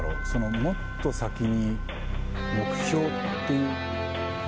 もっと先に、目標という。